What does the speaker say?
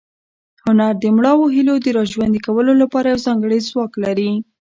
هنر د مړاوو هیلو د راژوندي کولو لپاره یو ځانګړی ځواک لري.